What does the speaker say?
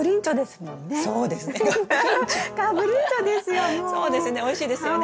そうですねおいしいですよね。